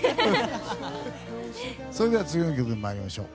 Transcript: それでは次の曲に参りましょう。